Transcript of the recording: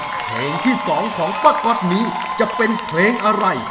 เพลงที่๒ของป้าก๊อตนี้จะเป็นเพลงอะไร